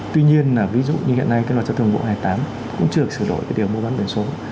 tuy nhiên là ví dụ như hiện nay cái luật tài sản công bộ ngoan hai nghìn tám cũng chưa sửa đổi cái điều mô bán biển số